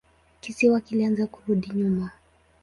Kisiwa kilianza kurudi nyuma.